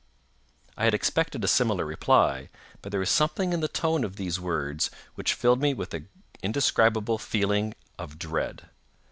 I had expected a similar reply, but there was something in the tone of these words which filled me with an indescribable feeling of dread.